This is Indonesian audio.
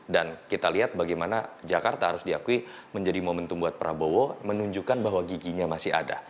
dan kita lihat bagaimana jakarta harus diakui menjadi momentum buat prabowo menunjukkan bahwa giginya masih ada